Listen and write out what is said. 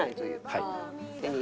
はい。